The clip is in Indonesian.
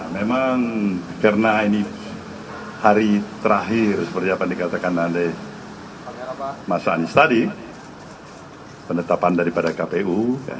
memang karena ini hari terakhir seperti apa yang dikatakan oleh mas anies tadi penetapan daripada kpu